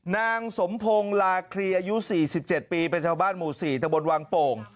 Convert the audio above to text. นางสมพงศ์ลาคลีอายุ๔๗ปีเป็นชาวบ้านหมู่๔ตะบนวังโป่ง